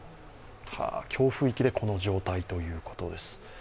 強風域でこの状態ということです。